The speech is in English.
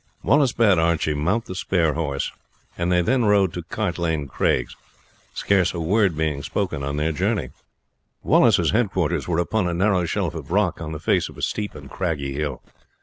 Wallace bade Archie mount the spare horse, and they then rode to Cart Lane Craigs, scarce a word being spoken on their journey. Wallace's headquarters were upon a narrow shelf of rock on the face of a steep and craggy hill.